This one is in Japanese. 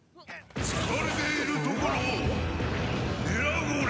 疲れているところを狙う俺。